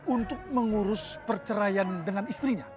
untuk mengurus perceraian dengan istrinya